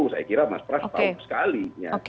dua ribu dua puluh saya kira mas pras tahu sekali